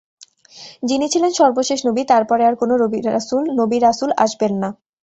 যিনি ছিলেন সর্বশেষ নবী, তার পরে আর কোন নবী-রাসূল আসবেন না।